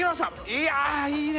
いやいいね